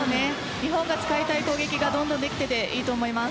日本が使いたい攻撃がどんどんできていていいと思います。